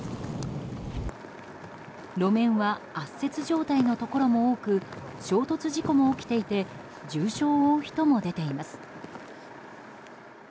路面は圧雪状態のところも多く衝突事故も起きていて重傷を負う人も出ています。